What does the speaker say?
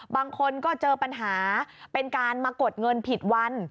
บางคนก็เจอปัญหาเป็นการมากดเงินผิดวัน